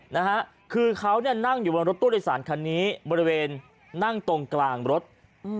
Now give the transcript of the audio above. นะฮะคือเขาเนี่ยนั่งอยู่บนรถตู้โดยสารคันนี้บริเวณนั่งตรงกลางรถอืม